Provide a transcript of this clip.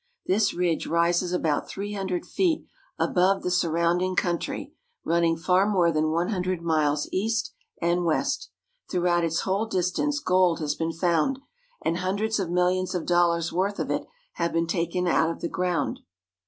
This ridge rises about three hundred feet above the surrounding country, running for more than one hundred miles east and west. Throughout its whole distance gold has been found, and hundreds of millions of dollars' worth of it have been taken out of the ground.